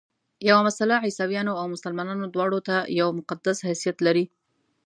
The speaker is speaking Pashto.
یوه مسله عیسویانو او مسلمانانو دواړو ته یو مقدس حیثیت لري.